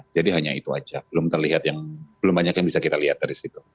jadi hanya itu aja belum terlihat yang belum banyak yang bisa kita lihat dari situ